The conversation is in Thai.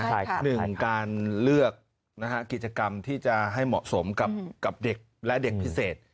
หนึ่งการเลือกกิจกรรมที่จะให้เหมาะสมกับเด็กและเด็กพิเศษ